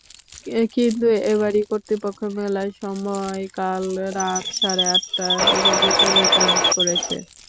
কিন্তু এবারই কর্তৃপক্ষ মেলার সময়কাল রাত সাড়ে আটটা পর্যন্ত নির্ধারণ করেছে।